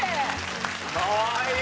かわいい！